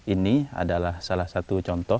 ini adalah salah satu contoh